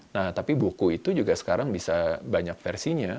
nah tapi buku itu juga sekarang bisa banyak versinya